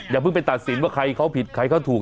อย่าเพิ่งไปตัดสินว่าใครเขาผิดใครเขาถูก